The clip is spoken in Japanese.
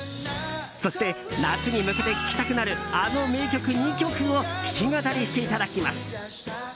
そして、夏に向けて聴きたくなるあの名曲、２曲を弾き語りしていただきます。